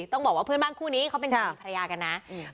ต้องบอกว่าเพื่อนบ้านคู่นี้เขาเป็นสามีภรรยากันนะ